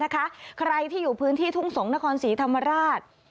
ใครที่อยู่พื้นที่ทุ่งสงศ์นครศรีธรรมราช